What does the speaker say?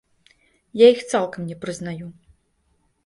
Я іх цалкам не прызнаю.